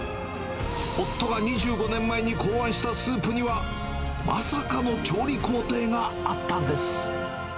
夫が２５年前に考案したスープには、まさかの調理工程があったんです。